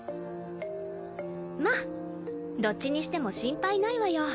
まどっちにしても心配ないわよ。